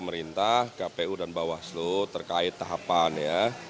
dan pemerintah kpu dan bawaslu terkait tahapan ya